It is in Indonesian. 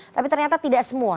tapi ternyata tidak semua